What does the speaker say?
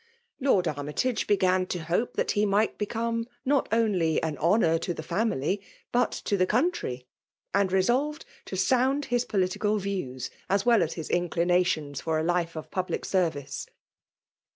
Lord Aimytage began to bqffe fihat ' he wght become not csdy an honour te the family, but to the ommtry ; and reeohml to eound his |>olitical yiefwa, ae well as his inclina^ns for a life of public aeorvice.